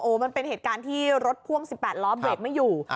มันเป็นเหตุการณ์ที่รถพ่วง๑๘ล้อเบรกไม่อยู่